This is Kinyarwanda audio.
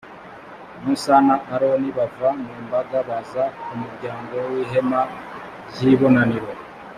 musa na aroni bava mu mbaga baza ku muryango w’ihema ry’ibonaniro.